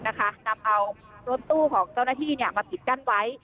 เราก็เอารวมตู้ของเจ้านะที่เนี่ยมันผิดกันไว้